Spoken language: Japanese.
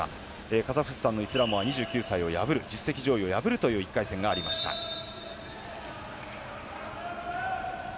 カザフスタンのイスラモア２９歳を実績上位を破るという１回戦がありました。